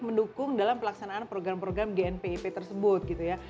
mendukung dalam pelaksanaan program program gnpip tersebut gitu ya